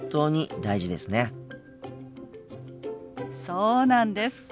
そうなんです。